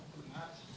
yang kedua ini eee